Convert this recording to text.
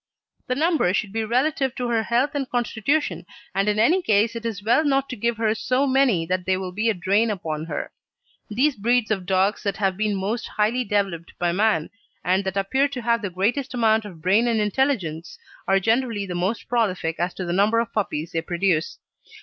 The number should be relative to her health and constitution, and in any case it is well not to give her so many that they will be a drain upon her. Those breeds of dogs that have been most highly developed by man and that appear to have the greatest amount of brain and intelligence are generally the most prolific as to the number of puppies they produce.